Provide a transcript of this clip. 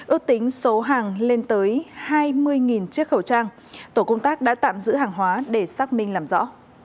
ước tính số hàng lên tới hai mươi chiếc khẩu trang tổ công tác đã tạm giữ hàng hóa để xác minh làm rõ